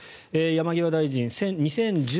山際大臣、２０１３年